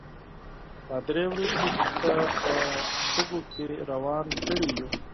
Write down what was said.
دا درې ورځې دې په شګو کې روان کړي يو.